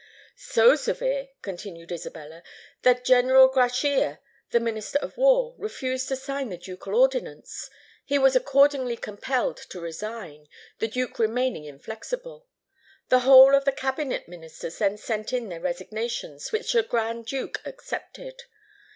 "So severe," continued Isabella, "that General Grachia, the Minister of War, refused to sign the ducal ordinance. He was accordingly compelled to resign, the Duke remaining inflexible. The whole of the Cabinet Ministers then sent in their resignations, which the Grand Duke accepted.